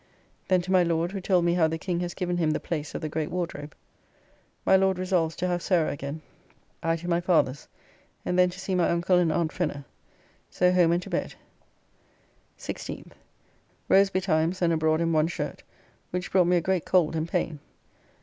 Then to my Lord who told me how the King has given him the place of the great Wardrobe. My Lord resolves to have Sarah again. I to my father's, and then to see my uncle and aunt Fenner. So home and to bed. 16th. Rose betimes and abroad in one shirt, which brought me a great cold and pain.